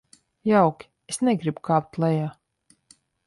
Jauki, es negribu kāpt lejā.